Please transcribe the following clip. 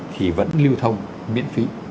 thì vẫn điêu thông miễn phí